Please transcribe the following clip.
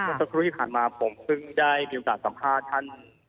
สักครู่ที่ผ่านมาผมเพิ่งได้มีโอกาสสัมภาษณ์ท่าน